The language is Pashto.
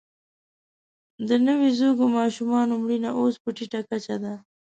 د نوزیږو ماشومانو مړینه اوس په ټیټه کچه کې ده